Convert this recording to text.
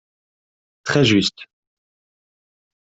Très juste